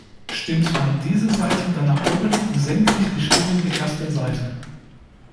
Stimmt man diese Saiten dann nach oben, senkt sich die Stimmung der ersten Saite.